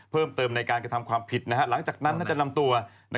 เพิ่มเติมในการกระทำความผิดหลังจากนั้นจะนำตัว